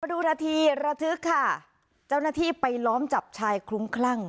ดูนาทีระทึกค่ะเจ้าหน้าที่ไปล้อมจับชายคลุ้มคลั่ง